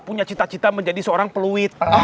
punya cita cita menjadi seorang peluit